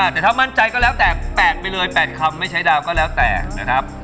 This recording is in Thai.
แต่ถ้ามั่นใจก็แล้วแต่๘ไปเลย๘คำไม่ใช้ดาวก็แล้วแต่นะครับ